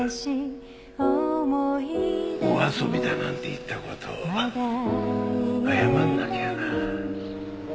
お遊びだなんて言った事を謝らなきゃな。